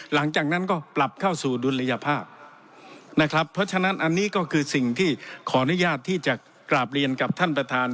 หลังจากนั้นก็ปรับเข้าสู่ดุลยภาพนะครับเพราะฉะนั้นอันนี้ก็คือสิ่งที่ขออนุญาตที่จะกราบเรียนกับท่านประธาน